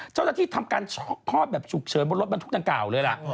เจ้าหน้าที่ทำการคลอดแบบฉุกเฉินบนรถมันทุกทางเก่าเลยล่ะ